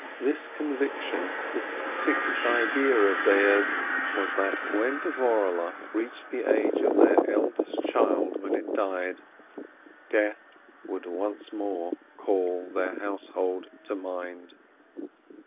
This conviction, this fixed idea of theirs, was that when Dvorehle reached the age of their eldest child when it died, Death would once more call their household to mind.